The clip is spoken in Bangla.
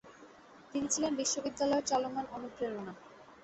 তিনি ছিলেন বিশ্ববিদ্যালয়ের চলমান অণুপ্রেরণা।